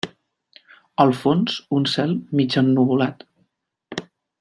Al fons, un cel mig ennuvolat.